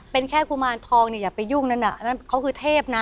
เป็นแค่กุมารทองเนี่ยอย่าไปยุ่งนั้นน่ะนั่นเขาคือเทพนะ